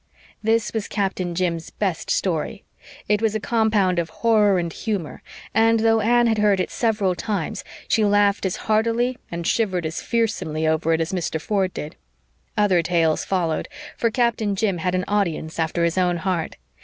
This was Captain Jim's best story. It was a compound of horror and humor, and though Anne had heard it several times she laughed as heartily and shivered as fearsomely over it as Mr. Ford did. Other tales followed, for Captain Jim had an audience after his own heart.